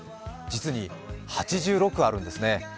実に８６あるんですね。